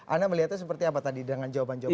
anda melihatnya seperti apa tadi dengan jawaban jawabannya